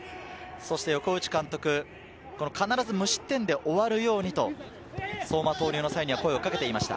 そして横内監督、必ず無失点で終わるようにと、相馬投入の際に声をかけていました。